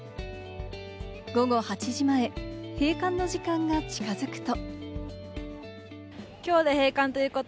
午後８時前、閉館の時間が近づくと。